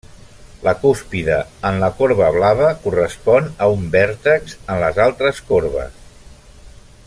La cúspide en la corba blava correspon a un vèrtex en les altres corbes.